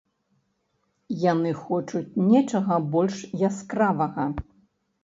Яны хочуць нечага больш яскравага.